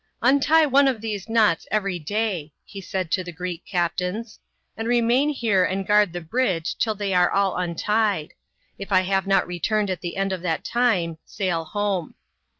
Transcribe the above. " Untie one of these knots every day," he said to the Greek captains, "and remain here and guard the bridge till they are all untied. If I have not returned at the end of that time, sail home."